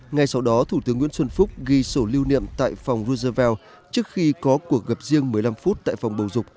ngay sau đó thủ tướng nguyễn xuân phúc ghi sổ lưu niệm tại phòng ruzevel trước khi có cuộc gặp riêng một mươi năm phút tại phòng bầu dục